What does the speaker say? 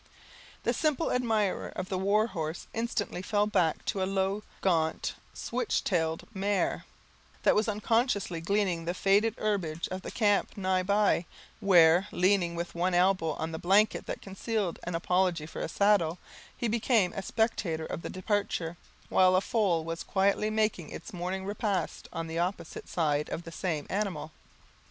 The simple admirer of the war horse instantly fell back to a low, gaunt, switch tailed mare, that was unconsciously gleaning the faded herbage of the camp nigh by; where, leaning with one elbow on the blanket that concealed an apology for a saddle, he became a spectator of the departure, while a foal was quietly making its morning repast, on the opposite side of the same animal.